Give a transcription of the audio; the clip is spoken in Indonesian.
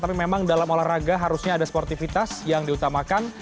tapi memang dalam olahraga harusnya ada sportivitas yang diutamakan